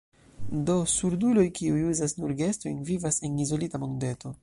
Do, surduloj, kiuj uzas nur gestojn, vivas en izolita mondeto.